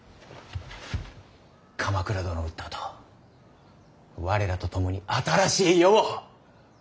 鎌倉殿を討ったあと我らと共に新しい世を。